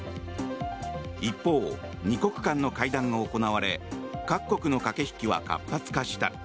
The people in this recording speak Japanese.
一方、２国間の会談が行われ各国の駆け引きは活発化した。